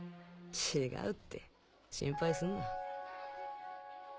違うって心配すんな。